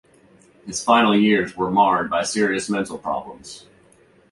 His final years were marred by serious mental problems.